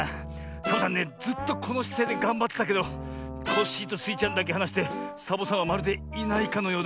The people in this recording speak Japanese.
サボさんねずっとこのしせいでがんばってたけどコッシーとスイちゃんだけはなしてサボさんはまるでいないかのようだ。